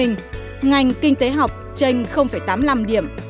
ngành kinh tế học tranh tám mươi năm điểm